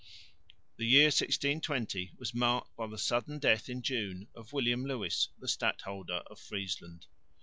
The year 1620 was marked by the sudden death in June of William Lewis, the Stadholder of Friesland.